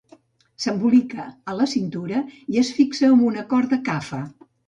S'embolica a la cintura i es fixa amb una corda kafa.